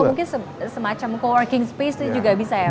mungkin semacam co working space itu juga bisa ya